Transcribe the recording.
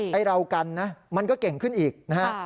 ไอ้เรากันนะมันก็เก่งขึ้นอีกนะฮะ